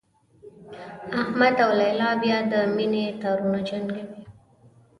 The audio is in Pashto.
احمد او لیلا بیا د مینې تارونه جنګوي.